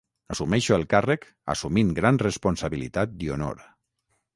Assumeixo el càrrec assumint gran responsabilitat i honor.